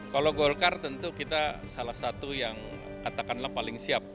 kalau golkar tentu kita salah satu yang katakanlah paling siap